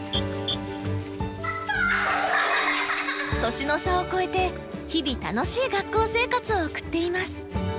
年の差を超えて日々楽しい学校生活を送っています。